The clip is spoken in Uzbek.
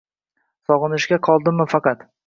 Sog’inishga qoldimmi faqat?